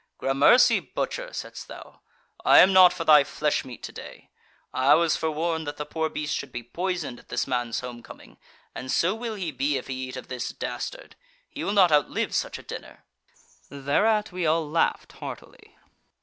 'Gramercy, butcher,' saidst thou, 'I am not for thy flesh meat to day. I was forewarned that the poor beast should be poisoned at this man's home coming, and so will he be if he eat of this dastard; he will not outlive such a dinner.' Thereat we all laughed heartily."